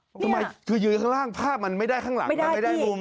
ทำไมคือยืนข้างล่างภาพมันไม่ได้ข้างหลังมันไม่ได้มุม